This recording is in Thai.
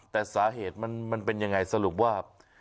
แต่สาเหตุมันเป็นยังไงสรุปว่า